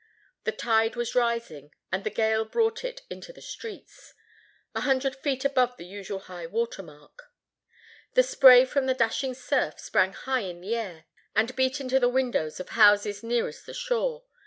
The tide was rising, and the gale brought it into the streets, a hundred feet above the usual high water mark. The spray from the dashing surf sprang high in the air, and beat into the windows of houses nearest the shore.